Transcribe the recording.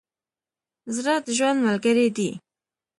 زړه د ژوند ملګری دی.